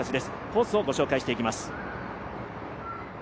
コースをご紹介していきます。